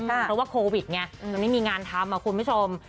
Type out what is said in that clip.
เพราะว่าโควิดไงมันไม่มีงานทำคุณผู้ชม